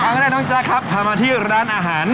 เอาก็ได้น้องจ๊ะครับพามาที่ร้านอาหาร